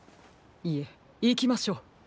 いえいきましょう。